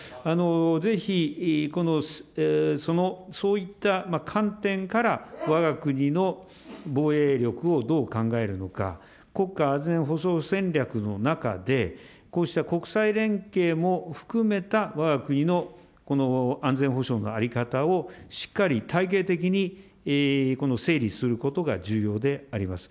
ぜひそういった観点から、わが国の防衛力をどう考えるのか、国家安全保障戦略の中で、こうした国際連携も含めたわが国のこの安全保障の在り方をしっかり体系的に整理することが重要であります。